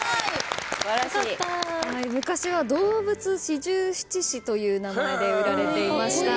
昔は動物四十七士という名前で売られていました。